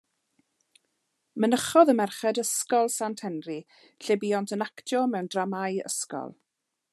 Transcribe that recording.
Mynychodd y merched Ysgol Sant Henry, lle buont yn actio mewn dramâu ysgol.